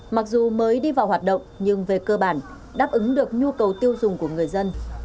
mặc dù mới đi vào hoạt động nhưng về cơ bản đáp ứng được nhu cầu tiêu dùng của người dân